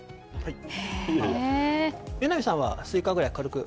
榎並さんはスイカぐらい軽く。